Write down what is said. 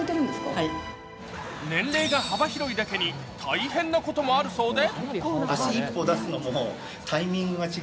年齢が幅広いだけに大変なこともあるそうで。